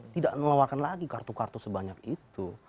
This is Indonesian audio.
tidak menawarkan lagi kartu kartu sebanyak itu